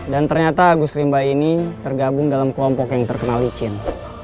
dan ternyata agus rimba ini tergabung dalam kelompok yang terkenal di cin